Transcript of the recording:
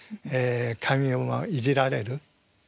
髪をいじられる。